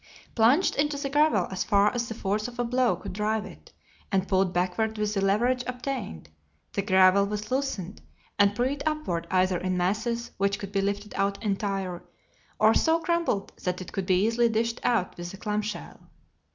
Plunged into the gravel as far as the force of a blow could drive it, and pulled backward with the leverage obtained, the gravel was loosened and pried upward either in masses which could be lifted out entire, or so crumbled that it could be easily dished out with the clamshell.